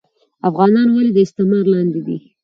افغانان ولي د استعمار لاندي دي